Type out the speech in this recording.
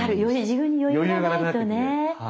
自分に余裕がないとね。